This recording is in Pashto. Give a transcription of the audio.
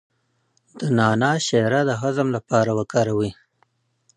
د نعناع شیره د هضم لپاره وکاروئ